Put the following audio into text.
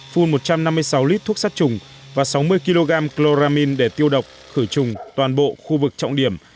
phun một trăm năm mươi sáu lít thuốc sát trùng và sáu mươi kg chloramine để tiêu độc khử trùng toàn bộ khu vực trọng điểm